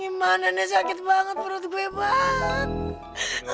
gimana nih sakit banget perut gue bang